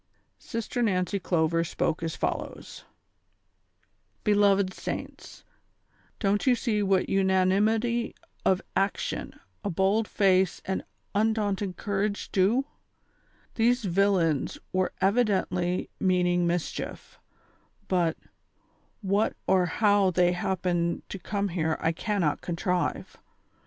Sister Nancy Clover spoke as follows : "Beloved saints, don't you see what imanimity of action, a bold face and undaunted courage do V These villains were evidently meaning mischief ; but, what or hoAV they liappened to come here I cannot contrive.